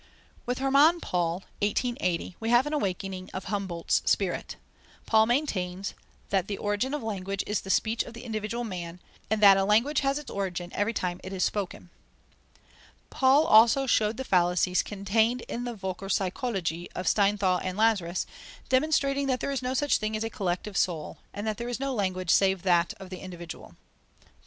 With Hermann Paul (1880) we have an awakening of Humboldt's spirit. Paul maintains that the origin of language is the speech of the individual man, and that a language has its origin every time it is spoken. Paul also showed the fallacies contained in the Völkerpsychologie of Steinthal and Lazarus, demonstrating that there is no such thing as a collective soul, and that there is no language save that of the individual.